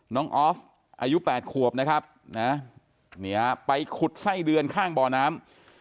ออฟอายุ๘ขวบนะครับนะไปขุดไส้เดือนข้างบ่อน้ำ